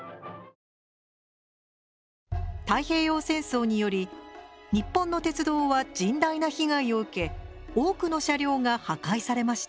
太平洋戦争により日本の鉄道は甚大な被害を受け多くの車両が破壊されました。